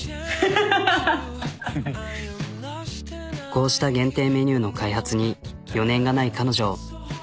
こうした限定メニューの開発に余念がない彼女。